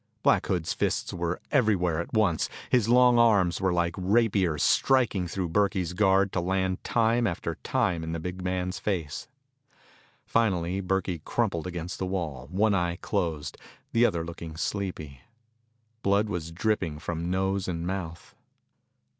Black Hood's fists were everywhere at once. His long arms were like rapiers, striking through Burkey's guard to land time after time in the big man's face. Finally, Burkey crumpled against the wall, one eye closed, the other looking sleepy. Blood was dripping from nose and mouth.